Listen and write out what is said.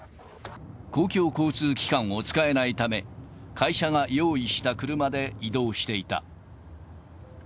公共交通機関を使えないため、会社が用意した車で移動していた。